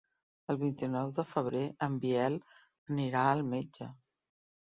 El vint-i-nou de febrer en Biel anirà al metge.